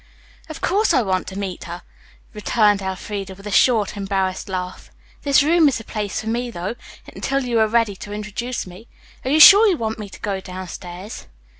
"Of course I want to meet her," returned Elfreda with a short, embarrassed laugh. "This room is the place for me, though, until you are ready to introduce me. Are you sure you want me to go downstairs?"